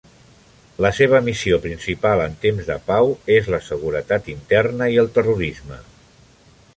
La seva missió principal en temps de pau és la seguretat interna i el terrorisme.